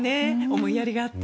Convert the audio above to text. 思いやりがあって。